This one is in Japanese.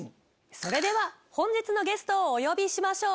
それでは本日のゲストをお呼びしましょう。